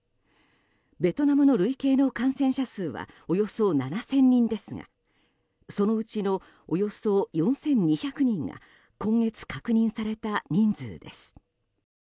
ベトナムの累計の感染者数はおよそ７０００人ですがそのうちのおよそ４２００人が今月確認された人数です。